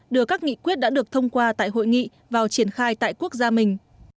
đưa các nghị quyết đã được thông qua tại hội nghị vào triển khai tại quốc gia mình